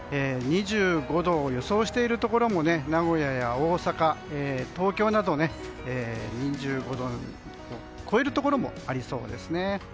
２５度を予想しているところも名古屋や大阪、東京など２５度を超えるところもありそうですね。